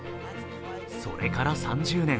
それから３０年。